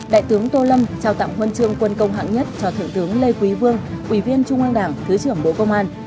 đại tướng tô lâm trao tặng huân chương quân công hạng nhất cho thượng tướng lê quý vương ủy viên trung an đảng thứ trưởng bộ công an